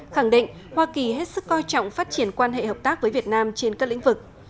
khẳng định hoa kỳ hết sức coi trọng phát triển quan hệ hợp tác với việt nam trên các lĩnh vực